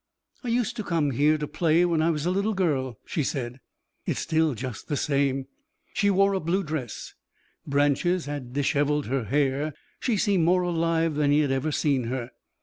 "I used to come here to play when I was a little girl," she said. "It's still just the same." She wore a blue dress; branches had dishevelled her hair; she seemed more alive than he had ever seen her.